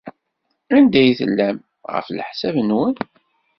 Anda ay tellam, ɣef leḥsab-nwen?